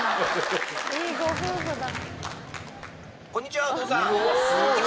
いいご夫婦だ。